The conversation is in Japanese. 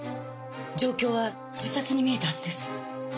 状況は自殺に見えたはずです。